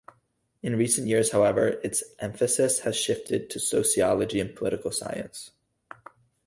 In recent years, however, its emphasis has shifted to sociology and political science.